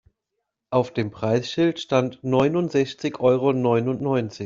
Auf dem Preisschild stand neunundsechzig Euro neunundneunzig.